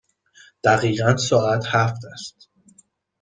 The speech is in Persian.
دقیقاً ساعت هفت است.